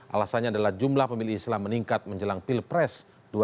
alasannya adalah jumlah pemilih islam meningkat menjelang pilpres dua ribu sembilan belas